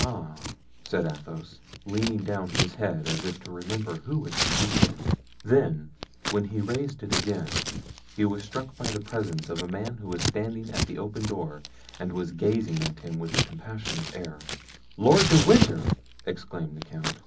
"Ah!" said Athos, leaning down his head as if to remember who it could be. Then, when he raised it again, he was struck by the presence of a man who was standing at the open door and was gazing at him with a compassionate air. "Lord de Winter!" exclaimed the count.